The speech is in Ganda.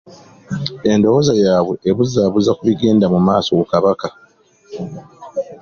Endowooza yaabwe ebuzabuuza ku bigenda mu maaso ku Kabaka.